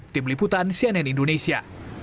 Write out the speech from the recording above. tim liputan cnn indonesia